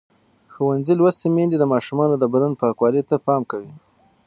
ښوونځې لوستې میندې د ماشومانو د بدن پاکوالي ته پام کوي.